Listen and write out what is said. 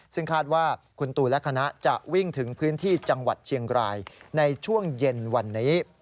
ซึ่งคาดว่าคุณตูนและคณะจะวิ่งถึงพื้นที่จังหวัดเชียงรายในช่วงเย็นวันนี้